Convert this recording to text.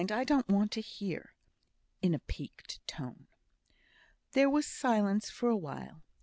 I don't want to hear," in a piqued tone. There was silence for a little while.